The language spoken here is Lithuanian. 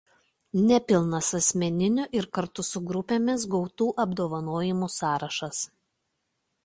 Nepilnas asmeninių ir kartu su grupėmis gautų apdovanojimų sąrašas.